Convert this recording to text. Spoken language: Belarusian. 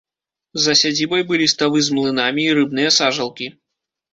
За сядзібай былі ставы з млынамі і рыбныя сажалкі.